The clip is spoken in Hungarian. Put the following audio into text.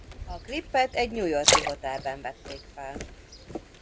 A klipet egy New York-i hotelben vették fel.